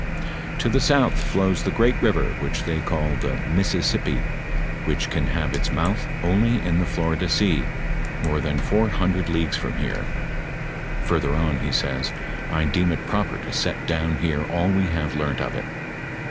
"To the south flows the great river, which they call the Missisipi, which can have its mouth only in the Florida sea, more than four hundred leagues from here."f Further on he says, " I deem it proper to set down here all we have learnt of it.